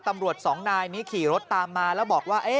ตำรวจสองนายนี้ขี่รถตามมาแล้วบอกว่า